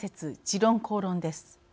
「時論公論」です。